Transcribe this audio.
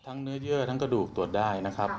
เนื้อเยื่อทั้งกระดูกตรวจได้นะครับ